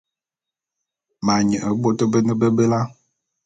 Ma nye bot bene bebela.